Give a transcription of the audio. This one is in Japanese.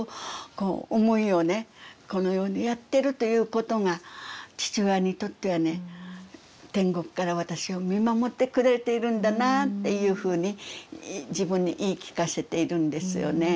このようにやってるということが父親にとってはね天国から私を見守ってくれているんだなというふうに自分に言い聞かせているんですよね。